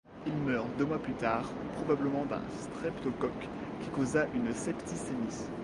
Il meurt deux mois plus tard, probablement d'un streptocoque, qui causa une septicémie.